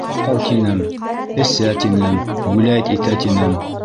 Ялҡау тинем, эсә, тинем, гуләйт итә, тинем.